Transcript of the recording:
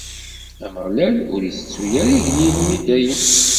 Ameɣlal ur ittettu ara igellilen i dayem.